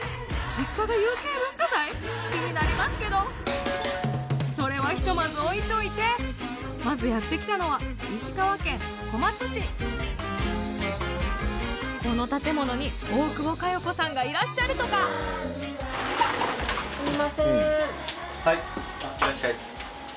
気になりますけどそれはひとまず置いといてまずやって来たのはこの建物に大久保佳代子さんがいらっしゃるとかすみません。